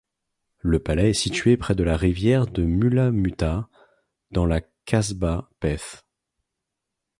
Le palais est situé près de la rivière de Mula-Mutha, dans la Kasba Peth.